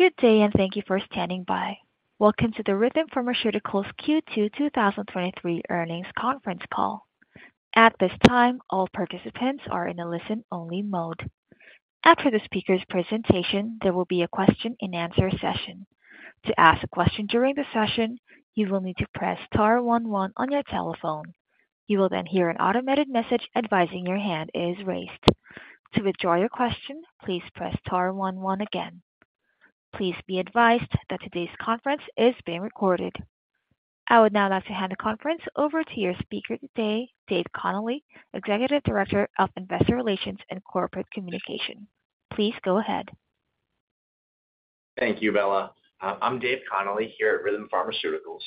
Good day, and thank you for standing by. Welcome to the Rhythm Pharmaceuticals Q2 2023 earnings conference call. At this time, all participants are in a listen-only mode. After the speaker's presentation, there will be a question-and-answer session. To ask a question during the session, you will need to press star one one on your telephone. You will then hear an automated message advising your hand is raised. To withdraw your question, please press star one one again. Please be advised that today's conference is being recorded. I would now like to hand the conference over to your speaker today, Dave Connolly, Executive Director of Investor Relations and Corporate Communication. Please go ahead. Thank you, Bella. I'm Dave Connolly here at Rhythm Pharmaceuticals.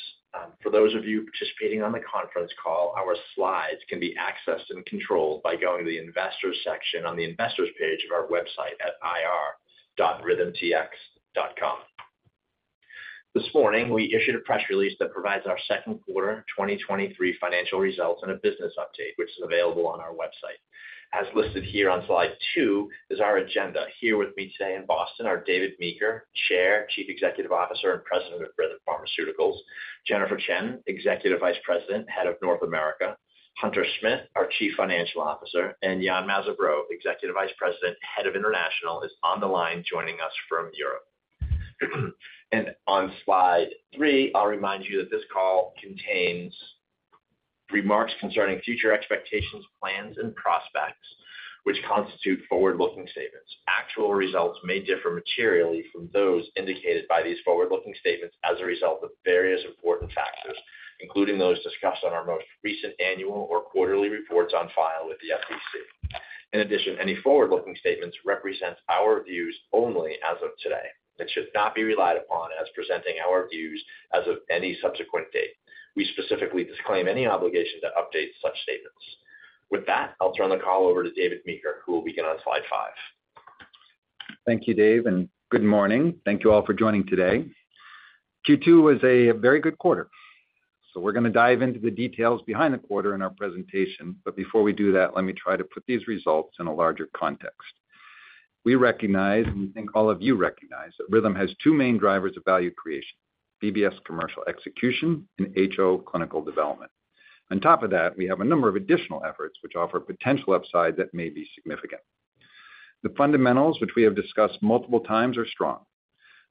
For those of you participating on the conference call, our slides can be accessed and controlled by going to the Investors section on the Investors page of our website at ir.rhythmtx.com. This morning, we issued a press release that provides our second quarter 2023 financial results and a business update, which is available on our website. As listed here on slide two is our agenda. Here with me today in Boston are David Meeker, Chair, Chief Executive Officer, and President of Rhythm Pharmaceuticals; Jennifer Chien, Executive Vice President, Head of North America; Hunter Smith, our Chief Financial Officer, and Yann Mazabraud, Executive Vice President, Head of International, is on the line, joining us from Europe. On slide three, I'll remind you that this call contains remarks concerning future expectations, plans, and prospects, which constitute forward-looking statements. Actual results may differ materially from those indicated by these forward-looking statements as a result of various important factors, including those discussed on our most recent annual or quarterly reports on file with the SEC. In addition, any forward-looking statements represent our views only as of today, and should not be relied upon as presenting our views as of any subsequent date. We specifically disclaim any obligation to update such statements. With that, I'll turn the call over to David Meeker, who will begin on slide five. Thank you, Dave. Good morning. Thank you all for joining today. Q2 was a very good quarter. We're going to dive into the details behind the quarter in our presentation. Before we do that, let me try to put these results in a larger context. We recognize, and we think all of you recognize, that Rhythm has two main drivers of value creation: BBS commercial execution and HO clinical development. On top of that, we have a number of additional efforts which offer potential upside that may be significant. The fundamentals, which we have discussed multiple times, are strong.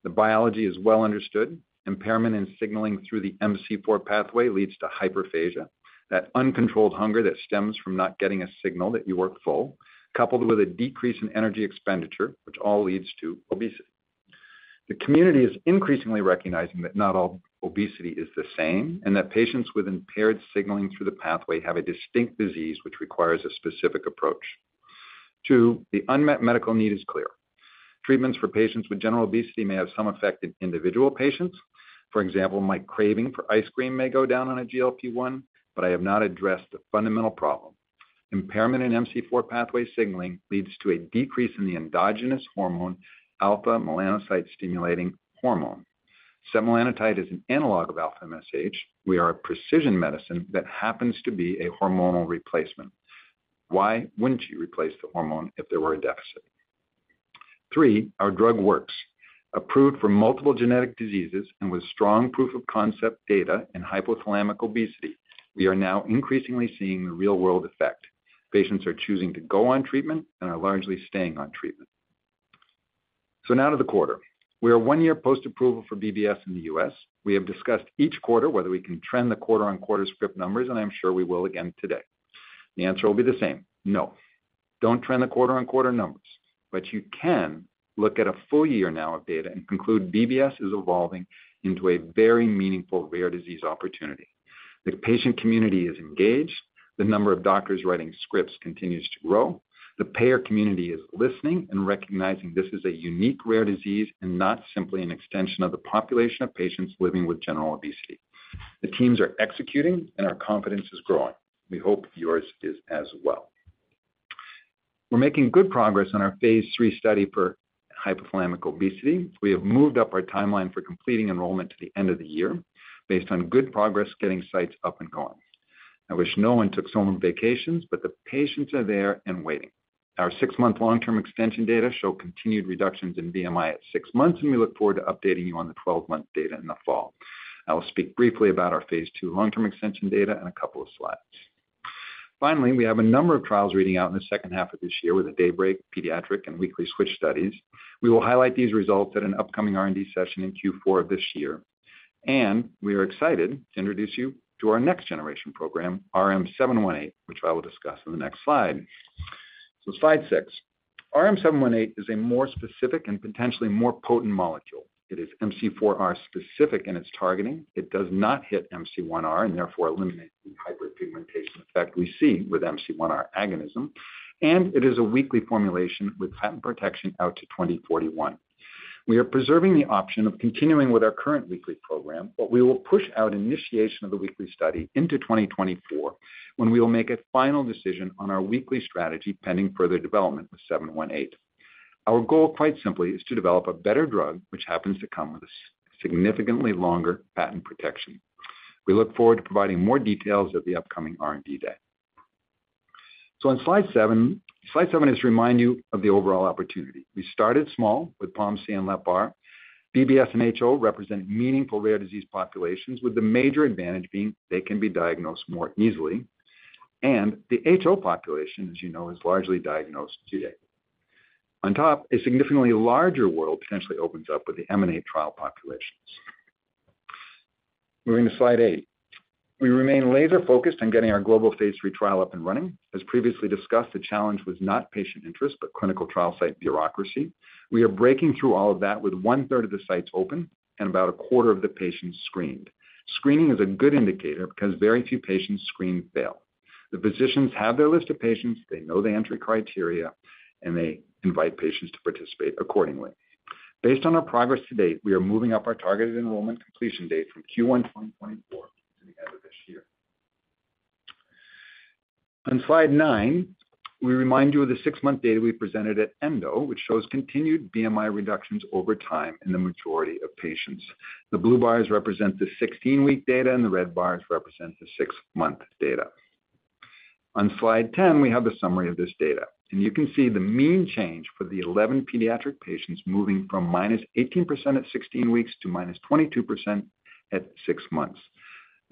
The biology is well understood. Impairment in signaling through the MC4R pathway leads to hyperphagia, that uncontrolled hunger that stems from not getting a signal that you were full, coupled with a decrease in energy expenditure, which all leads to obesity. The community is increasingly recognizing that not all obesity is the same, and that patients with impaired signaling through the pathway have a distinct disease, which requires a specific approach. Two, the unmet medical need is clear. Treatments for patients with general obesity may have some effect in individual patients. For example, my craving for ice cream may go down on a GLP-1, but I have not addressed the fundamental problem. Impairment in MC4 pathway signaling leads to a decrease in the endogenous hormone, alpha-melanocyte-stimulating hormone. Setmelanotide is an analog of alpha MSH. We are a precision medicine that happens to be a hormonal replacement. Why wouldn't you replace the hormone if there were a deficit? Three, our drug works. Approved for multiple genetic diseases and with strong proof-of-concept data in hypothalamic obesity, we are now increasingly seeing the real-world effect. Patients are choosing to go on treatment and are largely staying on treatment. Now to the quarter. We are one year post-approval for BBS in the U.S. We have discussed each quarter whether we can trend the quarter-on-quarter script numbers, and I'm sure we will again today. The answer will be the same: No. Don't trend the quarter-on-quarter numbers, but you can look at a full year now of data and conclude BBS is evolving into a very meaningful rare disease opportunity. The patient community is engaged. The number of doctors writing scripts continues to grow. The payer community is listening and recognizing this is a unique, rare disease and not simply an extension of the population of patients living with general obesity. The teams are executing, and our confidence is growing. We hope yours is as well. We're making good progress on our phase III study for hypothalamic obesity. We have moved up our timeline for completing enrollment to the end of the year based on good progress getting sites up and going. I wish no one took so much vacations, but the patients are there and waiting. Our 6-month long-term extension data show continued reductions in BMI at six months, and we look forward to updating you on the 12-month data in the fall. I will speak briefly about our phase II long-term extension data in two slides. Finally, we have a number of trials reading out in the second half of this year with the DAYBREAK pediatric and weekly switch studies. We will highlight these results at an upcoming R&D session in Q4 of this year, and we are excited to introduce you to our next generation program, RM-718, which I will discuss in the next slide. Slide six. RM-718 is a more specific and potentially more potent molecule. It is MC4R specific in its targeting. It does not hit MC1R and therefore eliminates the hyperpigmentation effect we see with MC1R agonism, and it is a weekly formulation with patent protection out to 2041. We are preserving the option of continuing with our current weekly program, but we will push out initiation of the weekly study into 2024, when we will make a final decision on our weekly strategy, pending further development with 718. Our goal, quite simply, is to develop a better drug, which happens to come with a significantly longer patent protection. We look forward to providing more details at the upcoming R&D day. On slide seven, slide seven is to remind you of the overall opportunity. We started small with POMC and LEPR. BBS and HO represent meaningful rare disease populations, with the major advantage being they can be diagnosed more easily. The HO population, as you know, is largely diagnosed today. On top, a significantly larger world potentially opens up with the EMANATE trial populations. Moving to slide eight. We remain laser-focused on getting our global phase III trial up and running. As previously discussed, the challenge was not patient interest, but clinical trial site bureaucracy. We are breaking through all of that with 1/3 of the sites open and about 1/4 of the patients screened. Screening is a good indicator because very few patients screened fail. The physicians have their list of patients, they know the entry criteria, and they invite patients to participate accordingly. Based on our progress to date, we are moving up our targeted enrollment completion date from Q1 2024 to the end of this year. On slide nine, we remind you of the six-month data we presented at ENDO, which shows continued BMI reductions over time in the majority of patients. The blue bars represent the 16-week data, and the red bars represent the six-month data. On slide 10, we have a summary of this data, and you can see the mean change for the 11 pediatric patients moving from -18% at 16 weeks to -22% at six months.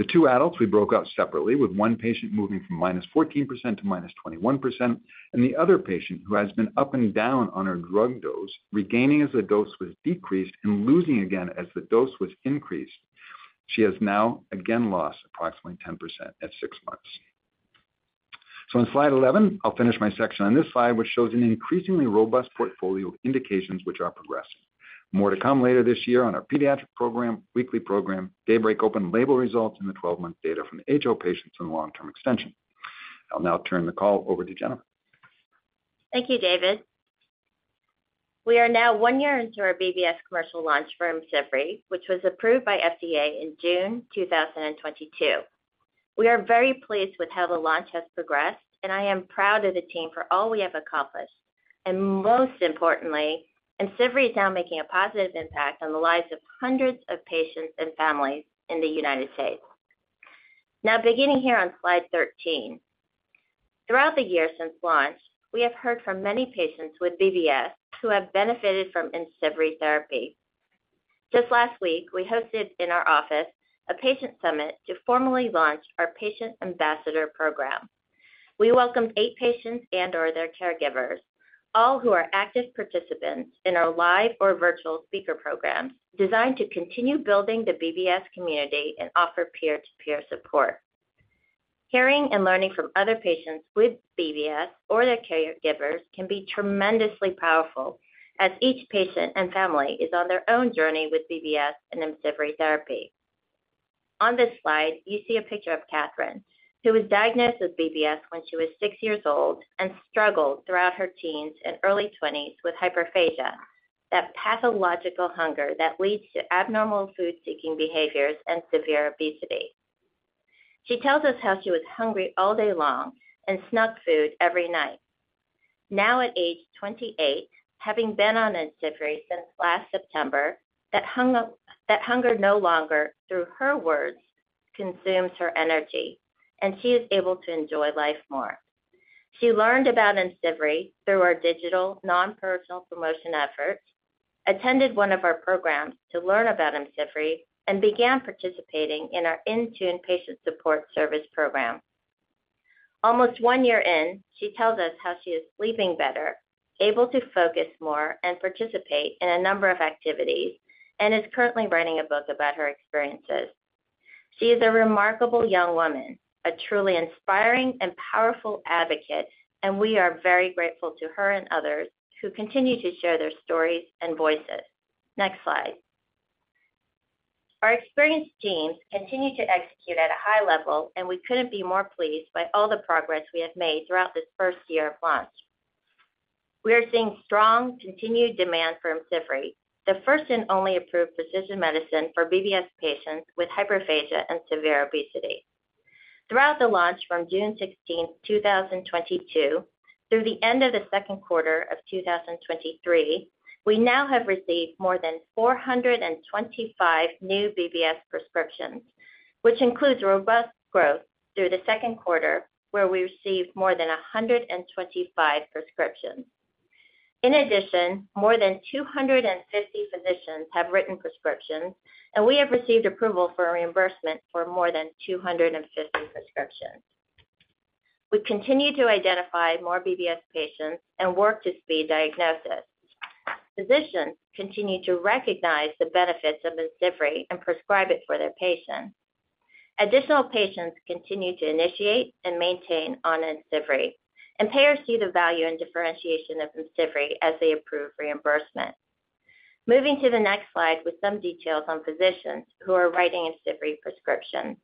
The two adults we broke out separately, with one patient moving from -14% to -21%, and the other patient, who has been up and down on her drug dose, regaining as the dose was decreased and losing again as the dose was increased. She has now again lost approximately 10% at six months. On slide 11, I'll finish my section on this slide, which shows an increasingly robust portfolio of indications which are progressing. More to come later this year on our pediatric program, weekly program, DAYBREAK open label results, and the 12-month data from the HO patients in long-term extension. I'll now turn the call over to Jennifer. Thank you, David. We are now one year into our BBS commercial launch for IMCIVREE, which was approved by FDA in June 2022. We are very pleased with how the launch has progressed, and I am proud of the team for all we have accomplished, and most importantly, IMCIVREE is now making a positive impact on the lives of hundreds of patients and families in the United States. Now, beginning here on slide 13. Throughout the year since launch, we have heard from many patients with BBS who have benefited from IMCIVREE therapy. Just last week, we hosted in our office a patient summit to formally launch our patient ambassador program. We welcomed 8 patients and/or their caregivers, all who are active participants in our live or virtual speaker programs, designed to continue building the BBS community and offer peer-to-peer support. Hearing and learning from other patients with BBS or their caregivers can be tremendously powerful, as each patient and family is on their own journey with BBS and IMCIVREE therapy. On this slide, you see a picture of Catherine, who was diagnosed with BBS when she was six years old and struggled throughout her teens and early 20s with hyperphagia, that pathological hunger that leads to abnormal food-seeking behaviors and severe obesity. She tells us how she was hungry all day long and snuck food every night. Now, at age 28, having been on IMCIVREE since last September, that hunger no longer, through her words, consumes her energy, and she is able to enjoy life more. She learned about IMCIVREE through our digital, non-personal promotion efforts, attended one of our programs to learn about IMCIVREE, and began participating in our InTune patient support service program. Almost one year in, she tells us how she is sleeping better, able to focus more and participate in a number of activities, and is currently writing a book about her experiences. She is a remarkable young woman, a truly inspiring and powerful advocate, and we are very grateful to her and others who continue to share their stories and voices. Next slide. Our experienced teams continue to execute at a high level, and we couldn't be more pleased by all the progress we have made throughout this first year of launch. We are seeing strong, continued demand for IMCIVREE, the first and only approved precision medicine for BBS patients with hyperphagia and severe obesity. Throughout the launch from June 16, 2022, through the end of the second quarter 2023, we now have received more than 425 new BBS prescriptions, which includes robust growth through the second quarter, where we received more than 125 prescriptions. In addition, more than 250 physicians have written prescriptions, and we have received approval for reimbursement for more than 250 prescriptions. We continue to identify more BBS patients and work to speed diagnosis. Physicians continue to recognize the benefits of IMCIVREE and prescribe it for their patients. Additional patients continue to initiate and maintain on IMCIVREE, Payers see the value and differentiation of IMCIVREE as they approve reimbursement. Moving to the next slide with some details on physicians who are writing IMCIVREE prescriptions.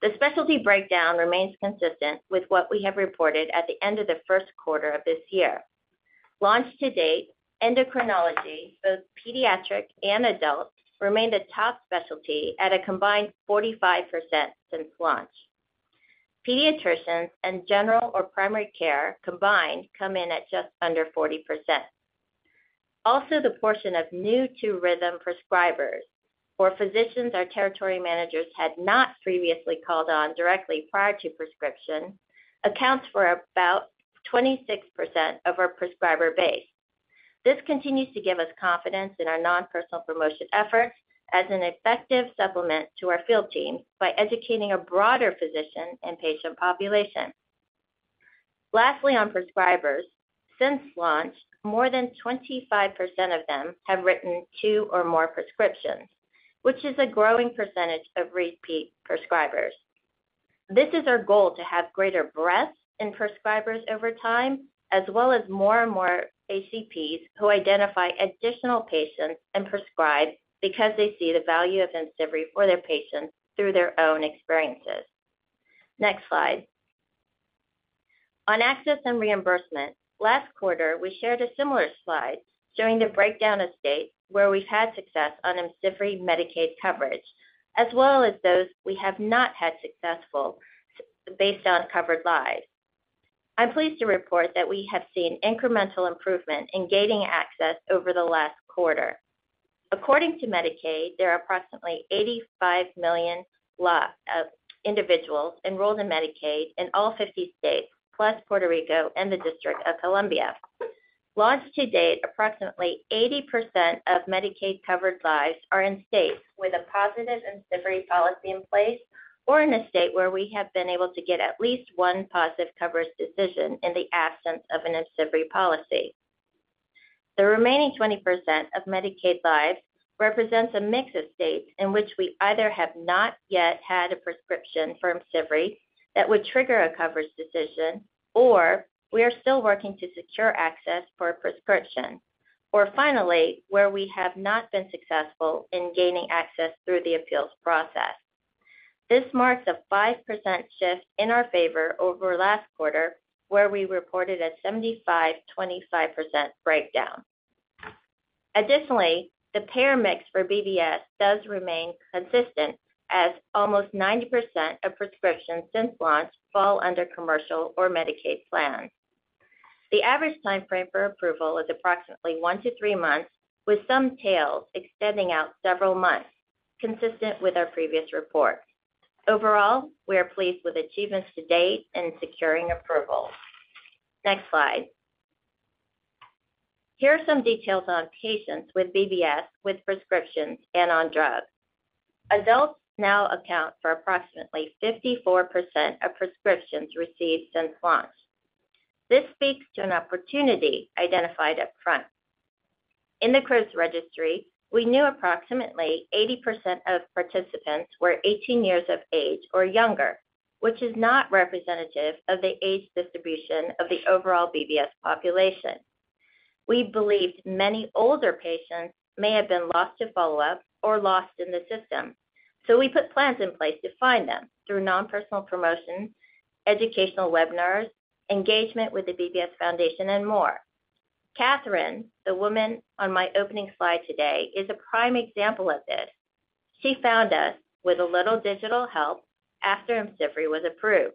The specialty breakdown remains consistent with what we have reported at the end of the first quarter of this year. Launch to date, endocrinology, both pediatric and adult, remained a top specialty at a combined 45% since launch. Pediatricians and general or primary care combined come in at just under 40%. Also, the portion of new to Rhythm prescribers or physicians our territory managers had not previously called on directly prior to prescription, accounts for about 26% of our prescriber base. This continues to give us confidence in our non-personal promotion efforts as an effective supplement to our field team, by educating a broader physician and patient population. Lastly, on prescribers, since launch, more than 25% of them have written two or more prescriptions, which is a growing percentage of repeat prescribers. This is our goal, to have greater breadth in prescribers over time, as well as more and more ACPs who identify additional patients and prescribe because they see the value of IMCIVREE for their patients through their own experiences. Next slide. On access and reimbursement, last quarter, we shared a similar slide showing the breakdown of states where we've had success on IMCIVREE Medicaid coverage, as well as those we have not had successful, based on covered lives. I'm pleased to report that we have seen incremental improvement in gaining access over the last quarter. According to Medicaid, there are approximately 85 million individuals enrolled in Medicaid in all 50 states, plus Puerto Rico and the District of Columbia. Launched to date, approximately 80% of Medicaid-covered lives are in states with a positive IMCIVREE policy in place or in a state where we have been able to get at least one positive coverage decision in the absence of an IMCIVREE policy. The remaining 20% of Medicaid lives represents a mix of states in which we either have not yet had a prescription for IMCIVREE that would trigger a coverage decision, or we are still working to secure access for a prescription, or finally, where we have not been successful in gaining access through the appeals process. This marks a 5% shift in our favor over last quarter, where we reported a 75%/25% breakdown. Additionally, the payer mix for BBS does remain consistent, as almost 90% of prescriptions since launch fall under commercial or Medicaid plans. The average time frame for approval is approximately one to three months, with some tails extending out several months, consistent with our previous report. Overall, we are pleased with achievements to date and securing approvals. Next slide. Here are some details on patients with BBS, with prescriptions, and on drug. Adults now account for approximately 54% of prescriptions received since launch. This speaks to an opportunity identified up front. In the CRIBBS Registry, we knew approximately 80% of participants were 18 years of age or younger, which is not representative of the age distribution of the overall BBS population. We believed many older patients may have been lost to follow-up or lost in the system, so we put plans in place to find them through non-personal promotions, educational webinars, engagement with the BBS Foundation, and more. Catherine, the woman on my opening slide today, is a prime example of this. She found us with a little digital help after IMCIVREE was approved.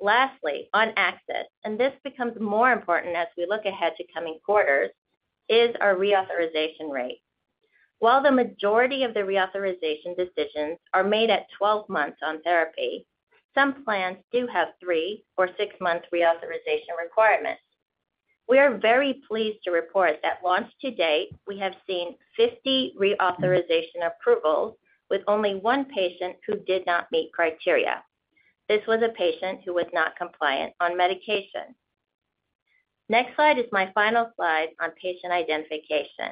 Lastly, on access, and this becomes more important as we look ahead to coming quarters, is our reauthorization rate. While the majority of the reauthorization decisions are made at 12 months on therapy, some plans do have three or six-month reauthorization requirements. We are very pleased to report that launch to date, we have seen 50 reauthorization approvals, with only one patient who did not meet criteria. This was a patient who was not compliant on medication. Next slide is my final slide on patient identification.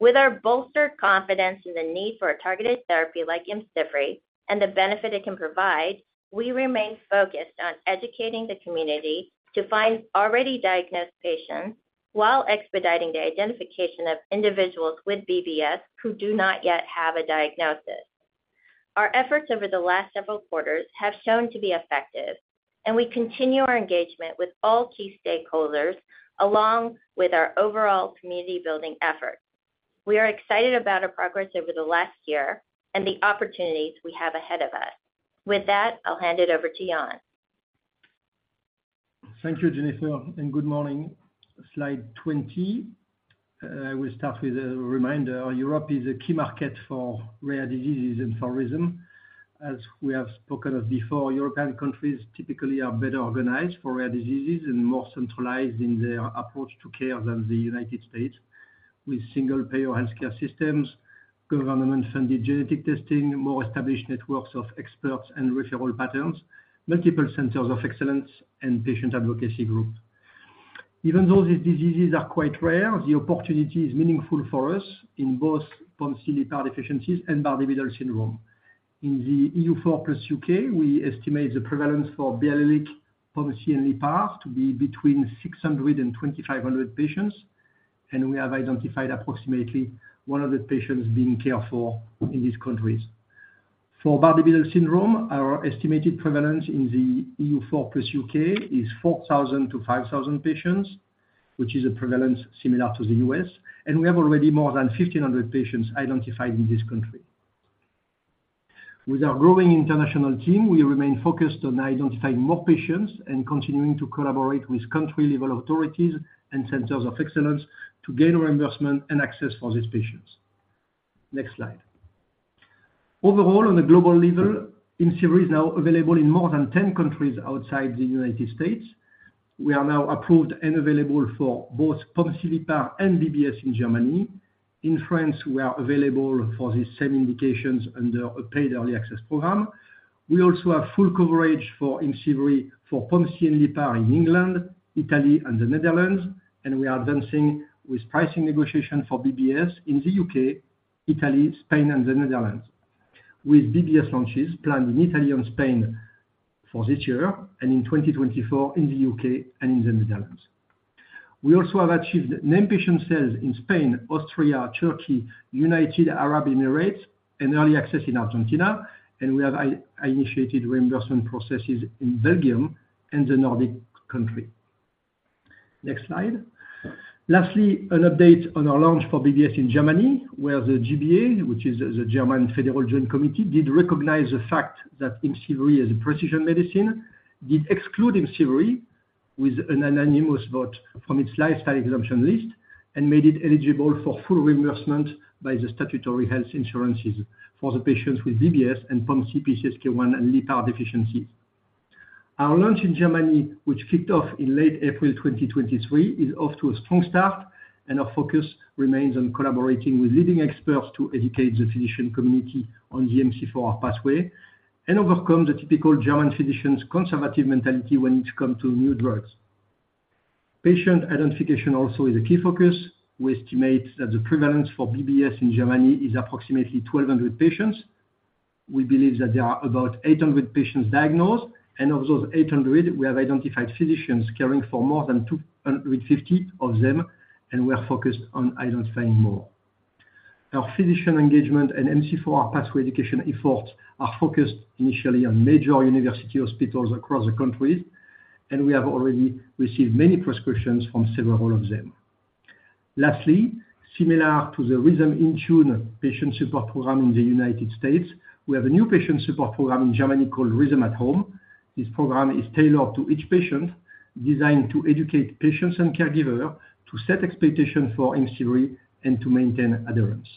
With our bolstered confidence in the need for a targeted therapy like IMCIVREE and the benefit it can provide, we remain focused on educating the community to find already diagnosed patients while expediting the identification of individuals with BBS who do not yet have a diagnosis. Our efforts over the last several quarters have shown to be effective, and we continue our engagement with all key stakeholders, along with our overall community building efforts. We are excited about our progress over the last year and the opportunities we have ahead of us. With that, I'll hand it over to Yann. Thank you, Jennifer, and good morning. Slide 20. We start with a reminder. Europe is a key market for rare diseases and for Rhythm. As we have spoken of before, European countries typically are better organized for rare diseases and more centralized in their approach to care than the United States, with single-payer healthcare systems, government-funded genetic testing, more established networks of experts and referral patterns, multiple centers of excellence, and patient advocacy groups. Even though these diseases are quite rare, the opportunity is meaningful for us in both POMC disease and Bardet-Biedl syndrome. In the EU4 plus U.K., we estimate the prevalence for biallelic POMC disease to be between 600-2,500 patients, and we have identified approximately one of the patients being cared for in these countries. For Bardet-Biedl syndrome, our estimated prevalence in the EU4 plus U.K. is 4,000-5,000 patients, which is a prevalence similar to the U.S., we have already more than 1,500 patients identified in this country. With our growing international team, we remain focused on identifying more patients and continuing to collaborate with country-level authorities and centers of excellence to gain reimbursement and access for these patients. Next slide. Overall, on a global level, IMCIVREE is now available in more than 10 countries outside the United States. We are now approved and available for both POMC LEPR and BBS in Germany. In France, we are available for the same indications under a paid early access program. We also have full coverage for IMCIVREE for POMC and LEPR in England, Italy, and the Netherlands. We are advancing with pricing negotiation for BBS in the U.K., Italy, Spain, and the Netherlands, with BBS launches planned in Italy and Spain for this year and in 2024 in the U.K. and in the Netherlands. We also have achieved name patient sales in Spain, Austria, Turkey, United Arab Emirates, and early access in Argentina. We have initiated reimbursement processes in Belgium and the Nordic country. Next slide. Lastly, an update on our launch for BBS in Germany, where the GBA, which is the German Federal Joint Committee, did recognize the fact that IMCIVREE is a precision medicine, did exclude IMCIVREE with an anonymous vote from its lifestyle exemption list and made it eligible for full reimbursement by the statutory health insurances for the patients with BBS and POMC, PCSK1, and LEPR deficiency. Our launch in Germany, which kicked off in late April 2023, is off to a strong start, and our focus remains on collaborating with leading experts to educate the physician community on the MC4R pathway and overcome the typical German physician's conservative mentality when it comes to new drugs. Patient identification also is a key focus. We estimate that the prevalence for BBS in Germany is approximately 1,200 patients. We believe that there are about 800 patients diagnosed, and of those 800, we have identified physicians caring for more than 250 of them, and we are focused on identifying more. Our physician engagement and MC4R pathway education efforts are focused initially on major university hospitals across the country, and we have already received many prescriptions from several of them. Lastly, similar to the Rhythm InTune patient support program in the United States, we have a new patient support program in Germany called Rhythm at Home. This program is tailored to each patient, designed to educate patients and caregivers to set expectations for IMCIVREE and to maintain adherence.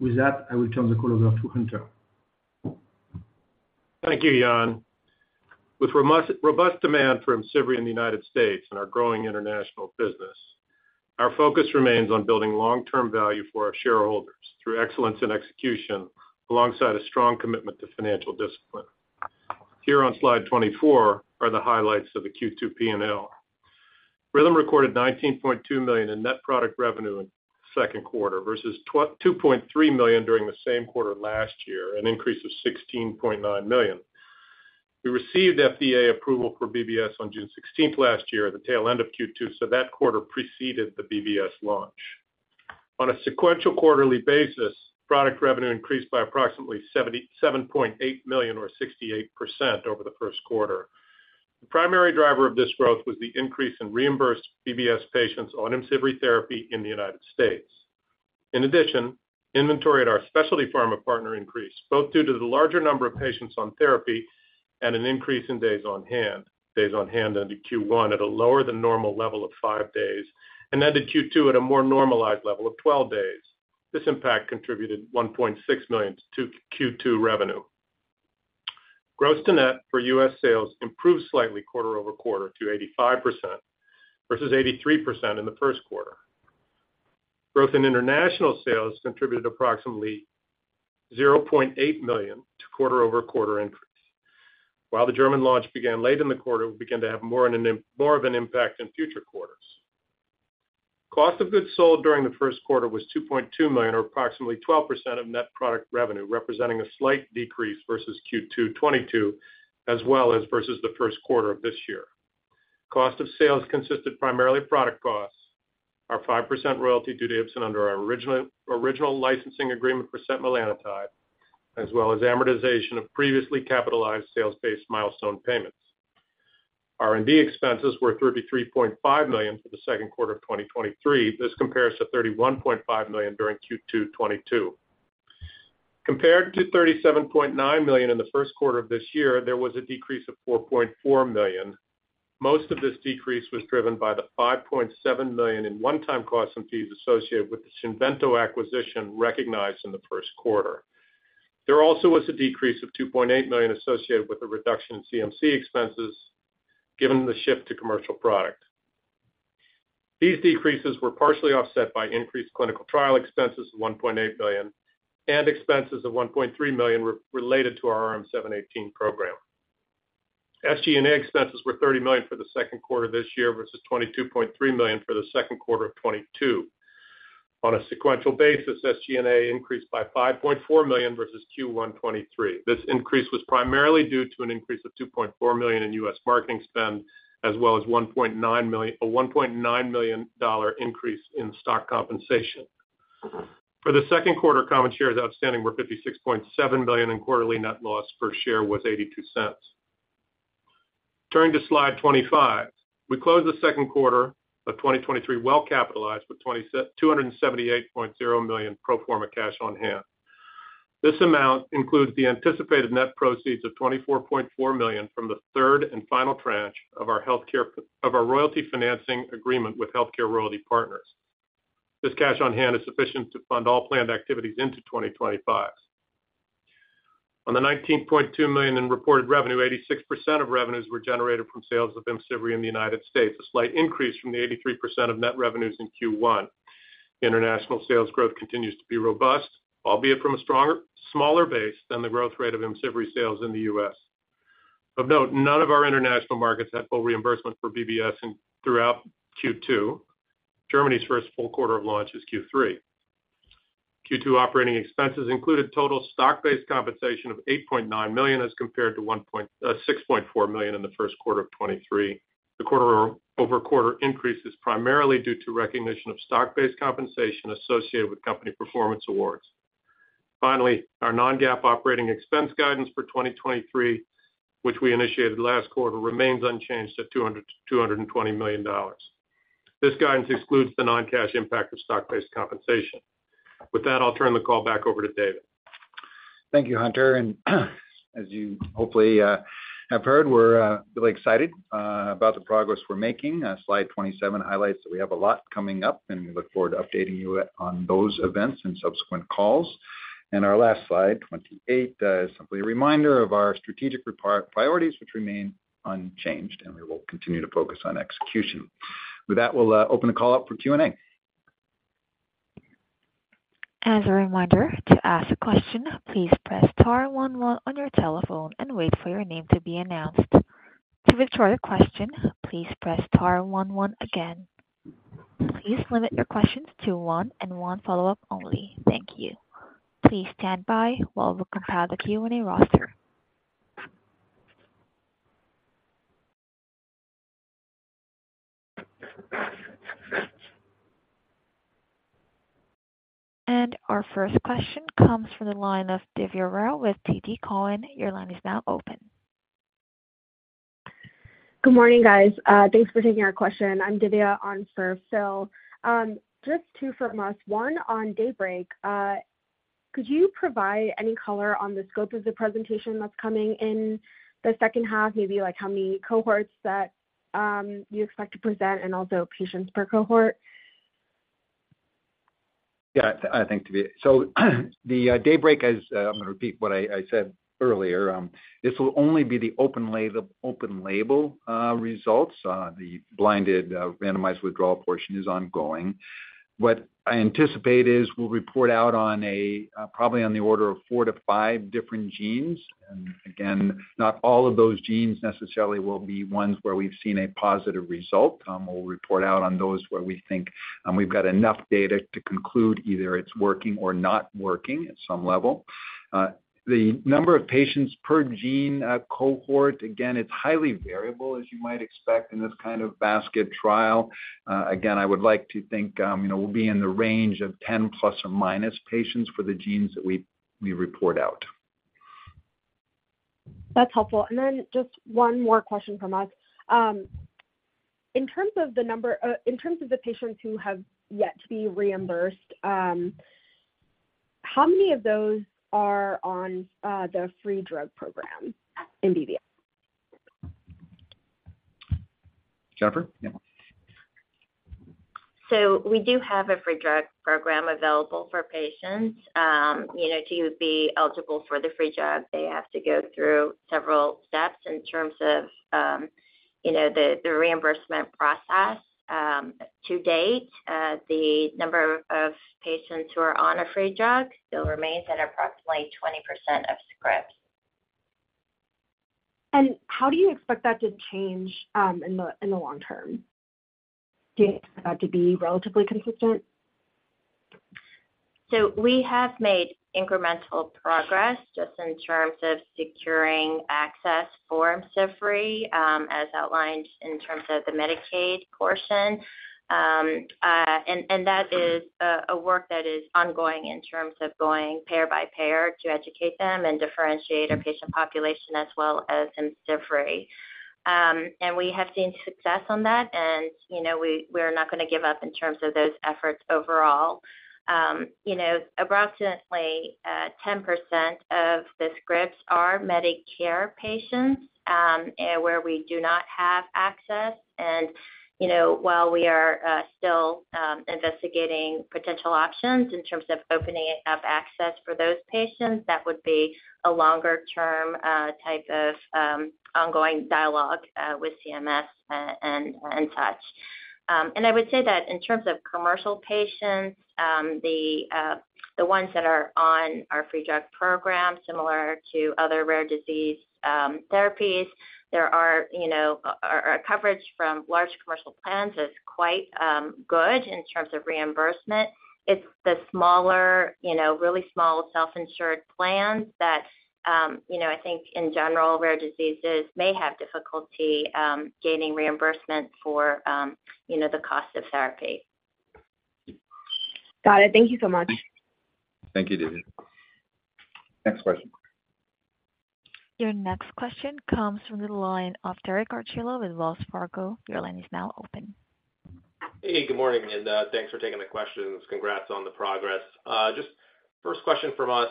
With that, I will turn the call over to Hunter. Thank you, Yann. With robust demand for IMCIVREE in the United States and our growing international business, our focus remains on building long-term value for our shareholders through excellence and execution, alongside a strong commitment to financial discipline. Here on slide 24 are the highlights of the Q2 P&L. Rhythm recorded $19.2 million in net product revenue in the second quarter versus $2.3 million during the same quarter last year, an increase of $16.9 million. We received FDA approval for BBS on June 16th last year at the tail end of Q2, so that quarter preceded the BBS launch. On a sequential quarterly basis, product revenue increased by approximately $77.8 million, or 68% over the first quarter. The primary driver of this growth was the increase in reimbursed BBS patients on IMCIVREE therapy in the United States. In addition, inventory at our specialty pharma partner increased, both due to the larger number of patients on therapy and an increase in days on hand. Days on hand ended Q1 at a lower-than-normal level of five days, and ended Q2 at a more normalized level of 12 days. This impact contributed $1.6 million to Q2 revenue. Gross to net for U.S. sales improved slightly quarter-over-quarter to 85% versus 83% in the first quarter. Growth in international sales contributed approximately $0.8 million to quarter-over-quarter increase. While the German launch began late in the quarter, we began to have more of an impact in future quarters. Cost of goods sold during the first quarter was $2.2 million, or approximately 12% of net product revenue, representing a slight decrease versus Q2 2022, as well as versus the first quarter of this year. Cost of sales consisted primarily of product costs, our 5% royalty due to Ipsen under our original, original licensing agreement for setmelanotide, as well as amortization of previously capitalized sales-based milestone payments. R&D expenses were $33.5 million for the second quarter of 2023. This compares to $31.5 million during Q2 2022. Compared to $37.9 million in the first quarter of this year, there was a decrease of $4.4 million. Most of this decrease was driven by the $5.7 million in one-time costs and fees associated with the Xinvento acquisition recognized in the first quarter. There also was a decrease of $2.8 million associated with the reduction in CMC expenses, given the shift to commercial product. These decreases were partially offset by increased clinical trial expenses of $1.8 million and expenses of $1.3 million related to our RM-718 program. SG&A expenses were $30 million for the second quarter this year, versus $22.3 million for the second quarter of 2022. On a sequential basis, SG&A increased by $5.4 million versus Q1 2023. This increase was primarily due to an increase of $2.4 million in U.S. marketing spend, as well as $1.9 million, a $1.9 million increase in stock compensation. For the second quarter, common shares outstanding were 56.7 million, and quarterly net loss per share was $0.82. Turning to slide 25. We closed the second quarter of 2023 well capitalized with $278.0 million pro forma cash on hand. This amount includes the anticipated net proceeds of $24.4 million from the third and final tranche of our royalty financing agreement with HealthCare Royalty Partners. This cash on hand is sufficient to fund all planned activities into 2025. On the $19.2 million in reported revenue, 86% of revenues were generated from sales of IMCIVREE in the United States, a slight increase from the 83% of net revenues in Q1. International sales growth continues to be robust, albeit from a stronger, smaller base than the growth rate of IMCIVREE sales in the U.S. Of note, none of our international markets had full reimbursement for BBS throughout Q2. Germany's first full quarter of launch is Q3. Q2 operating expenses included total stock-based compensation of $8.9 million, as compared to $6.4 million in the first quarter of 2023. The quarter-over-quarter increase is primarily due to recognition of stock-based compensation associated with company performance awards. Finally, our non-GAAP operating expense guidance for 2023, which we initiated last quarter, remains unchanged at $200 million-$220 million. This guidance excludes the non-cash impact of stock-based compensation. With that, I'll turn the call back over to David. Thank you, Hunter. As you hopefully have heard, we're really excited about the progress we're making. Slide 27 highlights that we have a lot coming up, and we look forward to updating you on those events in subsequent calls. Our last slide, 28, is simply a reminder of our strategic priorities, which remain unchanged, and we will continue to focus on execution. With that, we'll open the call up for Q&A. As a reminder, to ask a question, please press star one one on your telephone and wait for your name to be announced. To withdraw your question, please press star one one again. Please limit your questions to one and one follow-up only. Thank you. Please stand by while we compile the Q&A roster. Our first question comes from the line of Divya Rao with TD Cowen. Your line is now open. Good morning, guys. Thanks for taking our question. I'm Divya Rao. Just two from us, one on DAYBREAK. Could you provide any color on the scope of the presentation that's coming in the second half? Maybe like, how many cohorts that, you expect to present and also patients per cohort? Yeah, I think, Divya. The DAYBREAK, as I'm gonna repeat what I said earlier. This will only be the open label, open label results. The blinded, randomized withdrawal portion is ongoing. What I anticipate is we'll report out on a probably on the order of four to five different genes. Again, not all of those genes necessarily will be ones where we've seen a positive result. We'll report out on those where we think we've got enough data to conclude either it's working or not working at some level. The number of patients per gene cohort, again, it's highly variable, as you might expect in this kind of basket trial. Again, I would like to think, you know, we'll be in the range of 10 ± patients for the genes that we, we report out. That's helpful. Then just one more question from us. In terms of the number, in terms of the patients who have yet to be reimbursed, how many of those are on the free drug program in BBS? Jennifer? Yeah. We do have a free drug program available for patients. You know, to be eligible for the free drug, they have to go through several steps in terms of, you know, the, the reimbursement process. To date, the number of patients who are on a free drug still remains at approximately 20% of scripts. How do you expect that to change, in the, in the long term? Do you expect that to be relatively consistent? We have made incremental progress just in terms of securing access for IMCIVREE, as outlined in terms of the Medicaid portion. That is a work that is ongoing in terms of going payer by payer to educate them and differentiate our patient population as well as IMCIVREE. We have seen success on that, and, you know, we're not gonna give up in terms of those efforts overall. You know, approximately 10% of the scripts are Medicare patients where we do not have access. You know, while we are still investigating potential options in terms of opening up access for those patients, that would be a longer-term type of ongoing dialogue with CMS, and touch. I would say that in terms of commercial patients, the ones that are on our free drug program, similar to other rare disease therapies, there are, you know, a coverage from large commercial plans is quite good in terms of reimbursement. It's the smaller, you know, really small, self-insured plans that, you know, I think in general, rare diseases may have difficulty gaining reimbursement for, you know, the cost of therapy. Got it. Thank you so much. Thank you, Divya. Next question. Your next question comes from the line of Derek Archila with Wells Fargo. Your line is now open. Hey, good morning, and thanks for taking the questions. Congrats on the progress. Just first question from us,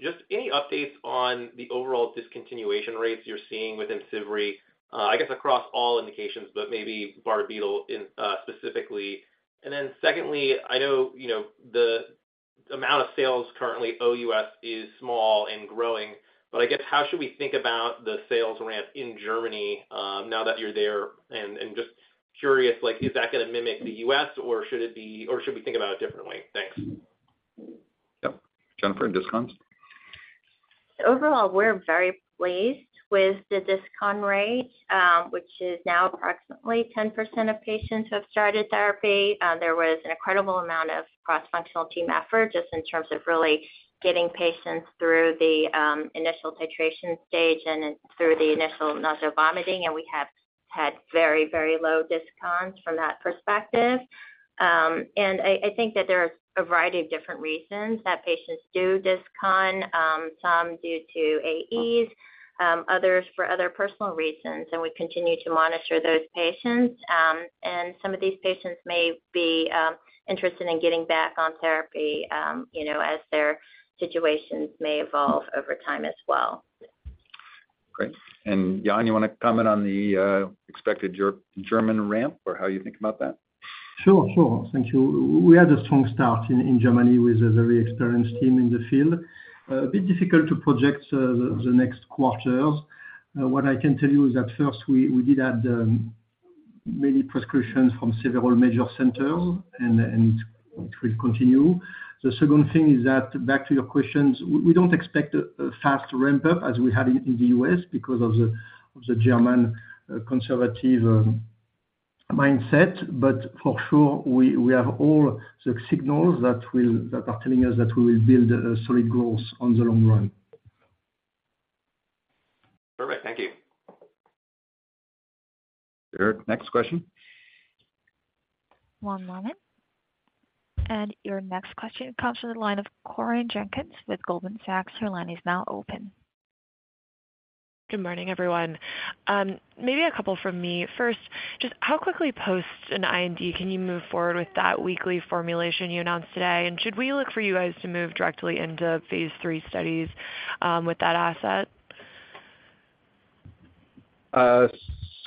just any updates on the overall discontinuation rates you're seeing within IMCIVREE? I guess across all indications, but maybe Bardet-Biedl in specifically. then secondly, I know, you know, the amount of sales currently OUS is small and growing, but I guess how should we think about the sales ramp in Germany, now that you're there? just curious, like, is that going to mimic the U.S. or should we think about it differently? Thanks. Yep. Jennifer, discons? Overall, we're very pleased with the discon rate, which is now approximately 10% of patients who have started therapy. There was an incredible amount of cross-functional team effort, just in terms of really getting patients through the initial titration stage and then through the initial nausea, vomiting. We have had very, very low discons from that perspective. I, I think that there are a variety of different reasons that patients do discon, some due to AEs, others for other personal reasons, and we continue to monitor those patients. Some of these patients may be interested in getting back on therapy, you know, as their situations may evolve over time as well. Great. Yann, you want to comment on the expected German ramp or how you think about that? Sure, sure. Thank you. We had a strong start in, in Germany with a very experienced team in the field. A bit difficult to project, the, the next quarters. What I can tell you is that first, we, we did add, many prescriptions from several major centers, and, and it will continue. The second thing is that, back to your questions, we don't expect a, a fast ramp-up as we had in, in the U.S. because of the, of the German conservative, mindset. For sure, we, we have all the signals that are telling us that we will build, solid growth on the long run. Perfect. Thank you. Great. Next question? One moment. Your next question comes from the line of Corinne Jenkins with Goldman Sachs. Your line is now open. Good morning, everyone. Maybe a couple from me. First, just how quickly post an IND can you move forward with that weekly formulation you announced today? Should we look for you guys to move directly into phase three studies with that asset?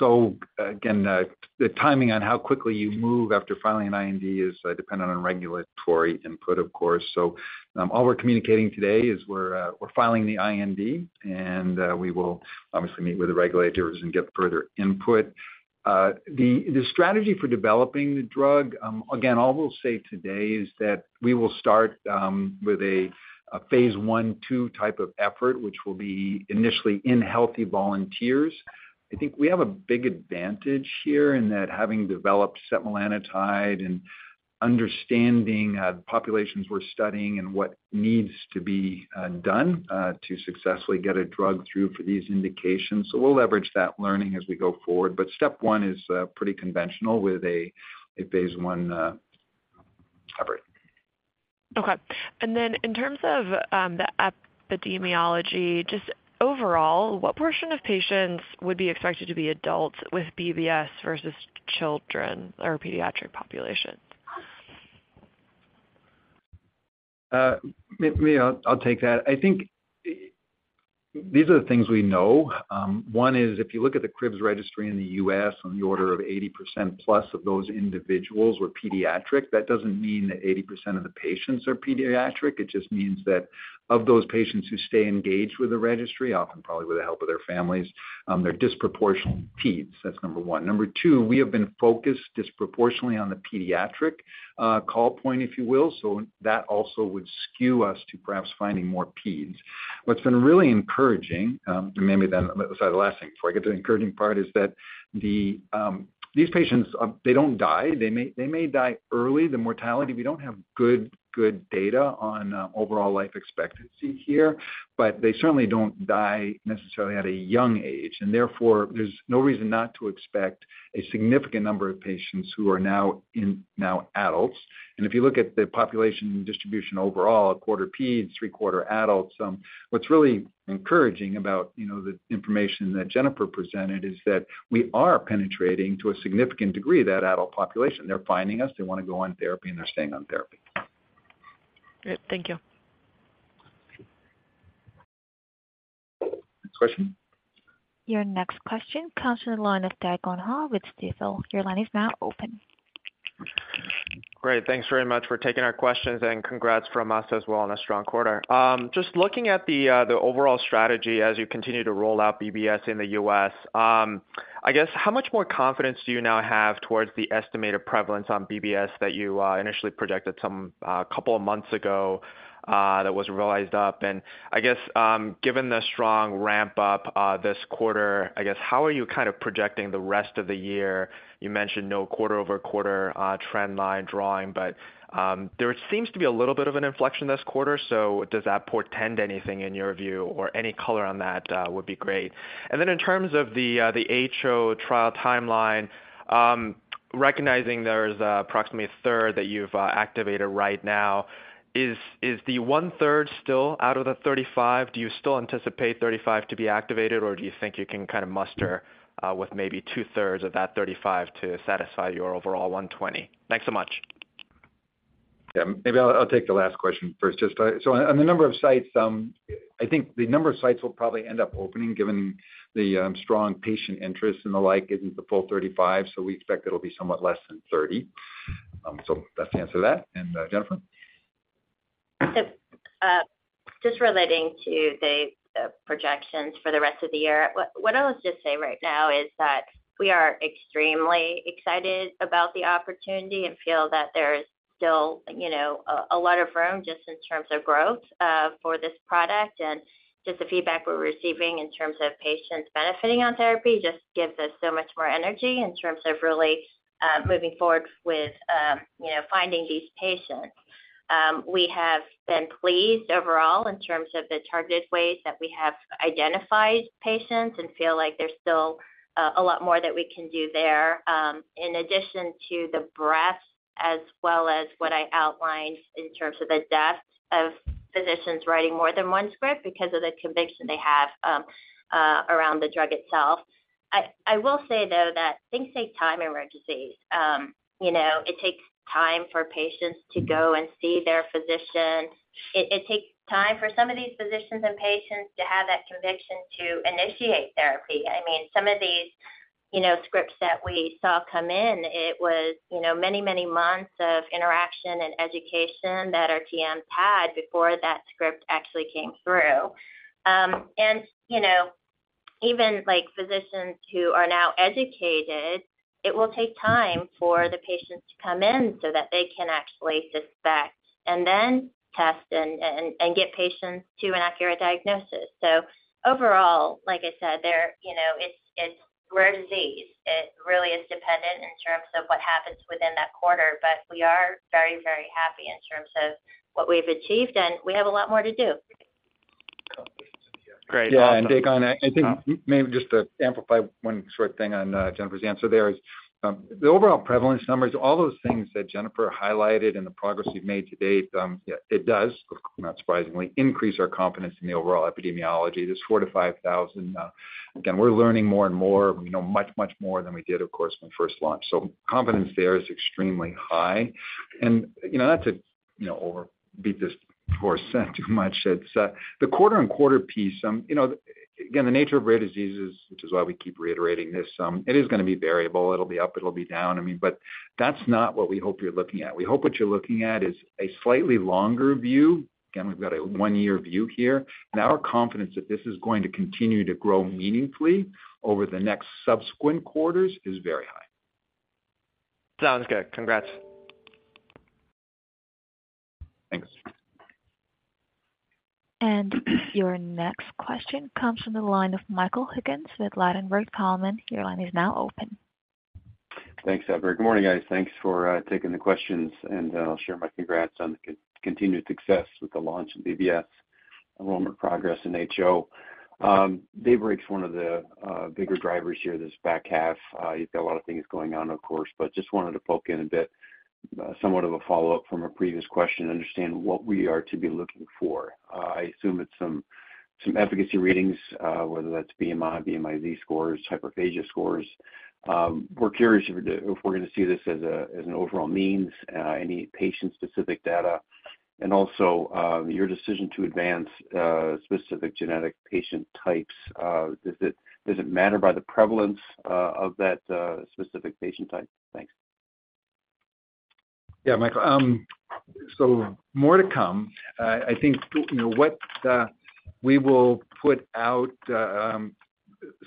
Again, the timing on how quickly you move after filing an IND is dependent on regulatory input, of course. All we're communicating today is we're filing the IND, and we will obviously meet with the regulators and get further input. The strategy for developing the drug, again, all we'll say today is that we will start with a phase I, II type of effort, which will be initially in healthy volunteers. I think we have a big advantage here in that having developed setmelanotide and understanding the populations we're studying and what needs to be done to successfully get a drug through for these indications. We'll leverage that learning as we go forward, but step one is pretty conventional with a phase I effort. Okay. Then in terms of, the epidemiology, just overall, what portion of patients would be expected to be adults with BBS versus children or pediatric populations? Me, me, I'll, I'll take that. I think these are the things we know. One is, if you look at the CRIBBS Registry in the U.S., on the order of 80%+ of those individuals were pediatric, that doesn't mean that 80% of the patients are pediatric. It just means that of those patients who stay engaged with the registry, often probably with the help of their families, they're disproportionately peds. That's number one. Number two, we have been focused disproportionately on the pediatric call point, if you will, so that also would skew us to perhaps finding more peds. What's been really encouraging, and maybe then I'll say the last thing before I get to the encouraging part, is that the these patients, they don't die. They may, they may die early. The mortality, we don't have good, good data on overall life expectancy here, but they certainly don't die necessarily at a young age, and therefore, there's no reason not to expect a significant number of patients who are now adults. If you look at the population distribution overall, a quarter ped, three-quarter adults, what's really encouraging about, you know, the information that Jennifer presented, is that we are penetrating to a significant degree, that adult population. They're finding us, they want to go on therapy, and they're staying on therapy. Great. Thank you. Next question? Your next question comes from the line of Derek Wong Ha with Stifel. Your line is now open. Great. Thanks very much for taking our questions, and congrats from us as well on a strong quarter. Just looking at the overall strategy as you continue to roll out BBS in the US, I guess how much more confidence do you now have towards the estimated prevalence on BBS that you initially projected some, two months ago, that was revised up? I guess, given the strong ramp up this quarter, I guess, how are you kind of projecting the rest of the year? You mentioned no quarter-over-quarter trend line drawing, but there seems to be a little bit of an inflection this quarter. Does that portend anything in your view or any color on that would be great. In terms of the HO trial timeline, recognizing there is approximately 1/3 that you've activated right now, is the 1/3 still out of the 35? Do you still anticipate 35 to be activated, or do you think you can kind of muster with maybe 2/3 of that 35 to satisfy your overall 120? Thanks so much. Yeah, maybe I'll, I'll take the last question first. Just on the number of sites, I think the number of sites will probably end up opening, given the strong patient interest and the like, isn't the full 35, so we expect it'll be somewhat less than 30. That's the answer to that. Jennifer? Just relating to the projections for the rest of the year, what, what I'll just say right now is that we are extremely excited about the opportunity and feel that there is still, you know, a lot of room just in terms of growth for this product. Just the feedback we're receiving in terms of patients benefiting on therapy just gives us so much more energy in terms of really moving forward with, you know, finding these patients. We have been pleased overall in terms of the targeted ways that we have identified patients and feel like there's still a lot more that we can do there. In addition to the breadth, as well as what I outlined in terms of the depth of physicians writing more than one script because of the conviction they have around the drug itself. I will say, though, that things take time in rare disease. You know, it takes time for patients to go and see their physician. It, it takes time for some of these physicians and patients to have that conviction to initiate therapy. I mean, some of these, you know, scripts that we saw come in, it was, you know, many, many months of interaction and education that our TMs had before that script actually came through. You know, even, like, physicians who are now educated, it will take time for the patients to come in so that they can actually suspect and then test and, and, and get patients to an accurate diagnosis. Overall, like I said, you know, it's rare disease. It really is dependent in terms of what happens within that quarter, but we are very, very happy in terms of what we've achieved, and we have a lot more to do. Great. Yeah, take on that. I think maybe just to amplify one short thing on Jennifer's answer there is, the overall prevalence numbers, all those things that Jennifer highlighted and the progress we've made to date, yeah, it does, not surprisingly, increase our confidence in the overall epidemiology. There's 4,000-5,000. Again, we're learning more and more, we know much, much more than we did, of course, when we first launched, confidence there is extremely high. You know, not to, you know, overbeat this horse scent too much, it's the quarter-on-quarter piece, you know, again, the nature of rare diseases, which is why we keep reiterating this, it is gonna be variable. It'll be up, it'll be down. I mean, that's not what we hope you're looking at. We hope what you're looking at is a slightly longer view. Again, we've got a one-year view here. Our confidence that this is going to continue to grow meaningfully over the next subsequent quarters is very high. Sounds good. Congrats. Thanks. Your next question comes from the line of Michael Higgins with Ladenburg Thalmann. Your line is now open. Thanks, operator. Good morning, guys. Thanks for taking the questions, and I'll share my congrats on the continued success with the launch of BBS enrollment progress in HO. DAYBREAK is one of the bigger drivers here this back half. You've got a lot of things going on, of course, but just wanted to poke in a bit, somewhat of a follow-up from a previous question to understand what we are to be looking for. I assume it's some, some efficacy readings, whether that's BMI, BMI z-scores, hyperphagia scores. We're curious if we're, if we're gonna see this as a, as an overall means, any patient-specific data, and also, your decision to advance, specific genetic patient types. Does it, does it matter by the prevalence of that specific patient type? Thanks. Yeah, Michael. So more to come. I think, you know, what, we will put out.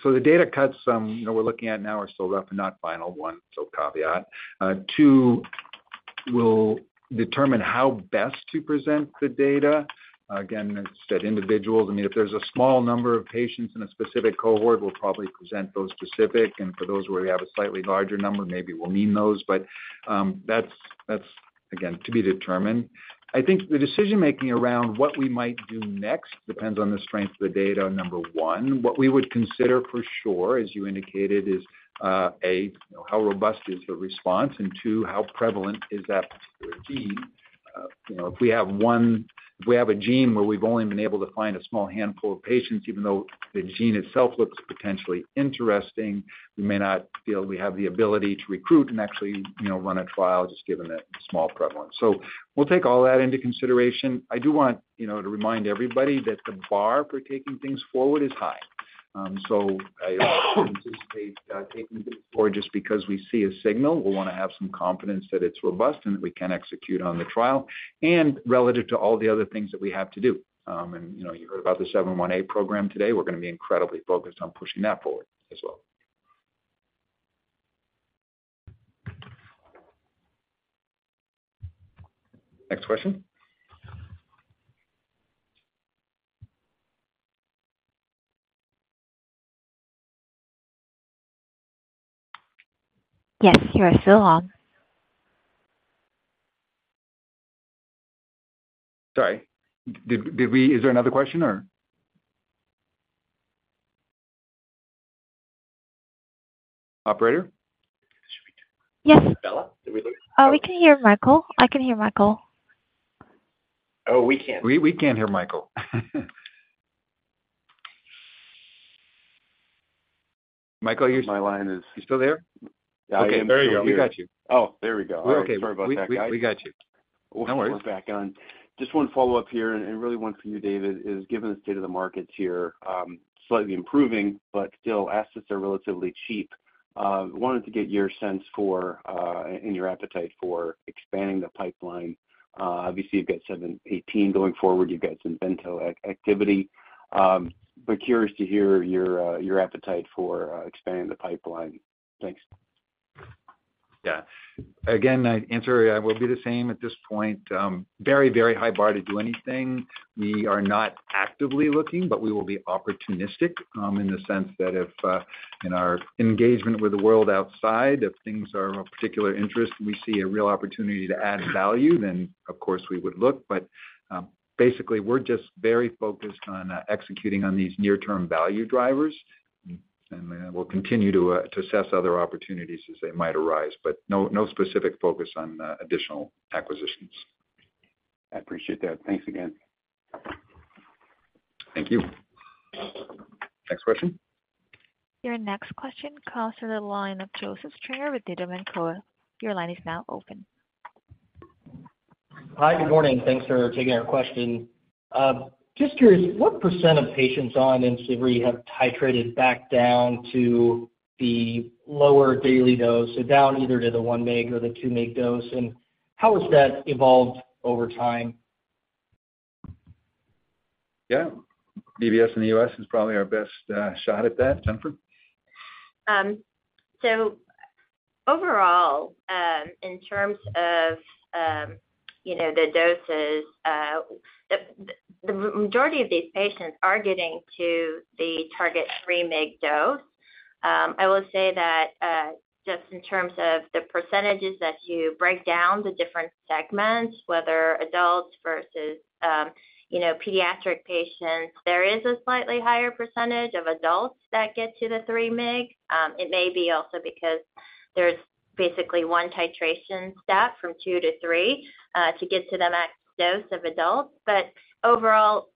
So the data cuts, you know, we're looking at now are still rough and not final one, so caveat. Two, we'll determine how best to present the data. Again, it's that individuals, I mean, if there's a small number of patients in a specific cohort, we'll probably present those specific, and for those where we have a slightly larger number, maybe we'll mean those, but that's, that's again, to be determined. I think the decision-making around what we might do next, depends on the strength of the data, number one. What we would consider for sure, as you indicated, is, A, you know, how robust is the response, and two, how prevalent is that particular gene? You know, if we have one- if we have a gene where we've only been able to find a small handful of patients, even though the gene itself looks potentially interesting, we may not feel we have the ability to recruit and actually, you know, run a trial just given that small prevalence. We'll take all that into consideration. I do want, you know, to remind everybody that the bar for taking things forward is high. I wouldn't anticipate taking this forward just because we see a signal. We'll wanna have some confidence that it's robust and that we can execute on the trial, and relative to all the other things that we have to do. You know, you heard about the 718 program today. We're gonna be incredibly focused on pushing that forward as well. Next question? Yes, you are still on. Sorry, did, did we, is there another question or? Operator? Yes. Bella, did we lose- We can hear Michael. I can hear Michael. Oh, we can't. We, we can't hear Michael. Michael, are you- My line is- You still there? Yeah, I am still here. Okay, there you go. We got you. Oh, there we go. We're okay. Sorry about that, guys. We got you. No worries. We're back on. Just one follow-up here, and, and really one for you, David, is given the state of the markets here, slightly improving, but still assets are relatively cheap, wanted to get your sense for, and your appetite for expanding the pipeline. Obviously, you've got RM-718 going forward, you've got some Xinvento activity. Curious to hear your, your appetite for, expanding the pipeline. Thanks. Yeah. Again, my answer will be the same at this point. Very, very high bar to do anything. We are not actively looking, but we will be opportunistic in the sense that if in our engagement with the world outside, if things are of particular interest, we see a real opportunity to add value, then of course we would look. Basically, we're just very focused on executing on these near-term value drivers. We'll continue to assess other opportunities as they might arise, but no, no specific focus on additional acquisitions. I appreciate that. Thanks again. Thank you. Next question. Your next question comes to the line of Joseph Stringer with Needham & Co. Your line is now open. Hi, good morning. Thanks for taking our question. Just curious, what percent of patients on IMCIVREE have titrated back down to the lower daily dose, so down either to the 1 mg or the 2 mg dose, and how has that evolved over time? Yeah. BBS in the U.S. is probably our best shot at that. Jennifer? Overall, in terms of, you know, the doses, the majority of these patients are getting to the target 3 mg dose. I will say that, just in terms of the percentages, as you break down the different segments, whether adults versus, you know, pediatric patients, there is a slightly higher percentage of adults that get to the 3 mg. It may be also because there's basically one titration step from two to three to get to the max dose of adults. Overall,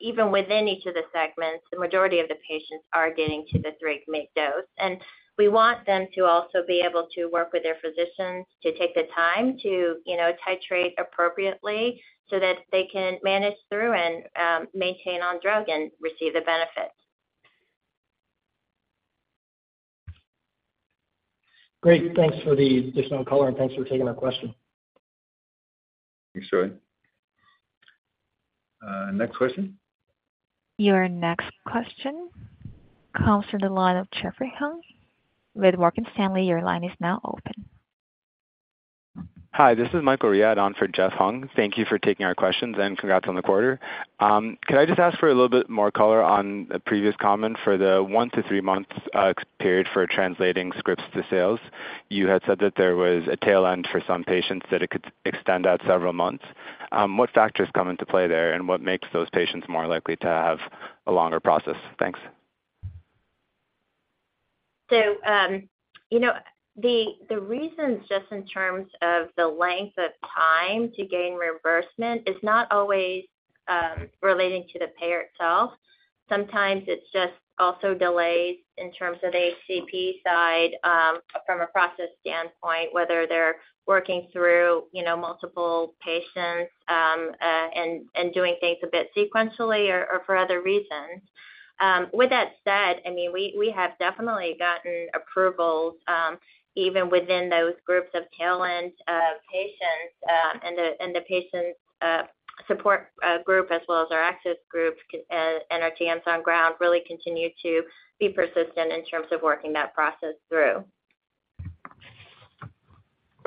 even within each of the segments, the majority of the patients are getting to the 3 mg dose. We want them to also be able to work with their physicians to take the time to, you know, titrate appropriately, so that they can manage through and maintain on drug and receive the benefits. Great. Thanks for the additional color, and thanks for taking our question. Thanks, Joseph. Next question? Your next question comes to the line of Jeffrey Hung with Morgan Stanley. Your line is now open. Hi, this is Michael Riad on for Jeff Hung. Thank you for taking our questions, and congrats on the quarter. Could I just ask for a little bit more color on a previous comment for the one to three months period for translating scripts to sales? You had said that there was a tail end for some patients, that it could extend out several months. What factors come into play there, and what makes those patients more likely to have a longer process? Thanks. You know, the reasons, just in terms of the length of time to gain reimbursement, is not always relating to the payer itself. Sometimes it's just also delays in terms of HCP side, from a process standpoint, whether they're working through, you know, multiple patients, and doing things a bit sequentially or for other reasons. With that said, I mean, we have definitely gotten approvals even within those groups of tail end patients. And the patients' support group, as well as our access group, and our teams on ground, really continue to be persistent in terms of working that process through.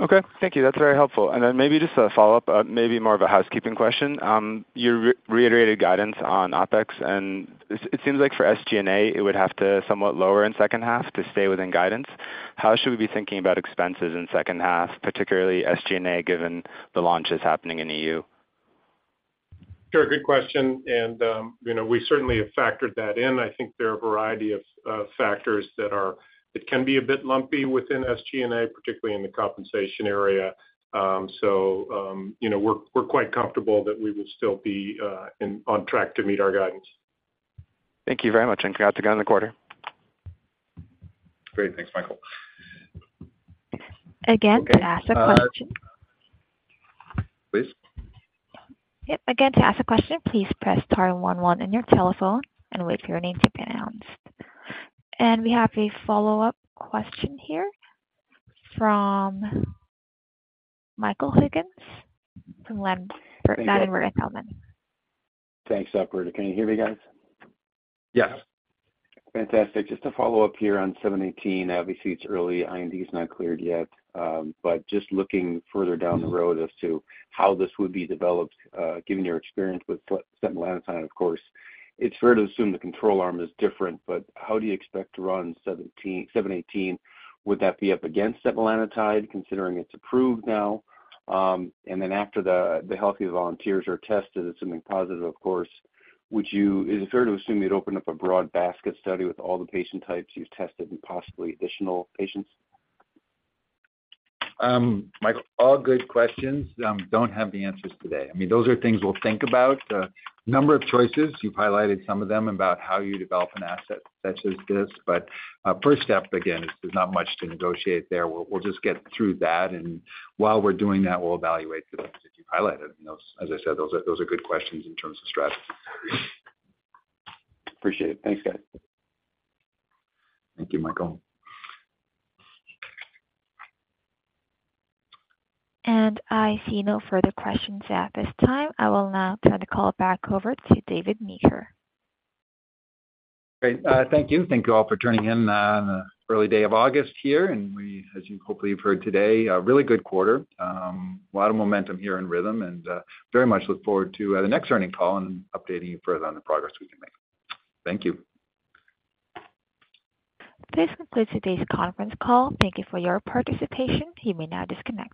Okay. Thank you. That's very helpful. Then maybe just a follow-up, maybe more of a housekeeping question. You re-reiterated guidance on OpEx, and it, it seems like for SG&A, it would have to somewhat lower in second half to stay within guidance. How should we be thinking about expenses in second half, particularly SG&A, given the launches happening in EU? Sure, good question, you know, we certainly have factored that in. I think there are a variety of factors that are. It can be a bit lumpy within SG&A, particularly in the compensation area. You know, we're, we're quite comfortable that we will still be on track to meet our guidance. Thank you very much, and congrats again on the quarter. Great. Thanks, Michael. Again, to ask a question. Please. Yep. Again, to ask a question, please press star one one in your telephone and wait for your name to be announced. We have a follow-up question here from Michael Higgins from Ladenburg Thalmann. Thanks, operator. Can you hear me, guys? Yes. Fantastic. Just to follow up here on RM-718, obviously, it's early, IND is not cleared yet. Just looking further down the road as to how this would be developed, given your experience with setmelanotide, of course. It's fair to assume the control arm is different, but how do you expect to run RM-718? Would that be up against setmelanotide, considering it's approved now? After the healthy volunteers are tested, assuming positive, of course, is it fair to assume you'd open up a broad basket study with all the patient types you've tested and possibly additional patients? Michael, all good questions. Don't have the answers today. I mean, those are things we'll think about. Number of choices, you've highlighted some of them, about how you develop an asset such as this, but, first step, again, is there's not much to negotiate there. We'll, we'll just get through that, and while we're doing that, we'll evaluate the items that you've highlighted. Those, as I said, those are, those are good questions in terms of strategy. Appreciate it. Thanks, guys. Thank you, Michael. I see no further questions at this time. I will now turn the call back over to David Meeker. Great. Thank you. Thank you all for tuning in on an early day of August here, and we, as you hopefully you've heard today, a really good quarter. A lot of momentum here in Rhythm and very much look forward to the next earning call and updating you further on the progress we can make. Thank you. This concludes today's conference call. Thank you for your participation. You may now disconnect.